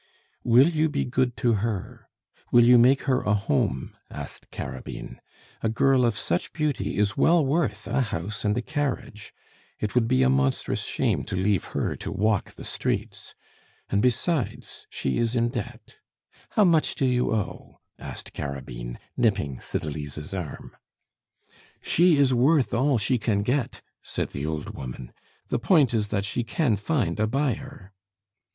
"Will you be good to her? Will you make her a home?" asked Carabine. "A girl of such beauty is well worth a house and a carriage! It would be a monstrous shame to leave her to walk the streets. And besides she is in debt. How much do you owe?" asked Carabine, nipping Cydalise's arm. "She is worth all she can get," said the old woman. "The point is that she can find a buyer."